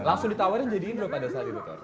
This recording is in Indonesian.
langsung ditawarin jadi indro pada saat itu